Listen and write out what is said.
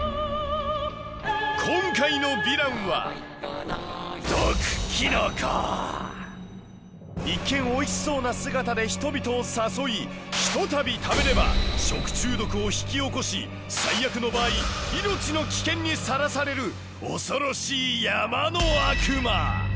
今回のヴィランは一見おいしそうな姿で人々を誘いひとたび食べれば食中毒を引き起こし最悪の場合命の危険にさらされる恐ろしい山の悪魔。